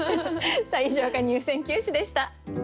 以上が入選九首でした。